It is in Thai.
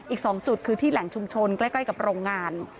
อีก๒จุดคือที่แหล่งชุมชนใกล้กับโรงงาน